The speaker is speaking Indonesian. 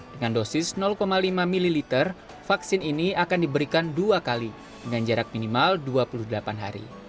dengan dosis lima ml vaksin ini akan diberikan dua kali dengan jarak minimal dua puluh delapan hari